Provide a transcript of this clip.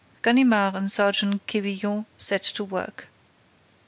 Ganimard and Sergeant Quevillon set to work.